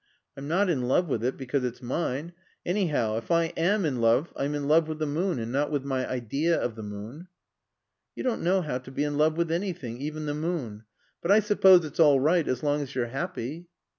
"I'm not in love with it because it's mine. Anyhow, if I am in love I'm in love with the moon and not with my idea of the moon." "You don't know how to be in love with anything even the moon. But I suppose it's all right as long as you're happy."